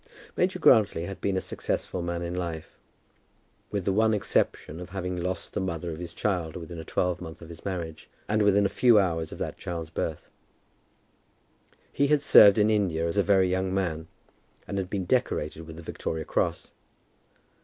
Major Grantly had been a successful man in life, with the one exception of having lost the mother of his child within a twelvemonth of his marriage and within a few hours of that child's birth. He had served in India as a very young man, and had been decorated with the Victoria Cross.